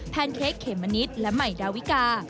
แพนเคกเขมณิและไหมดาวิกา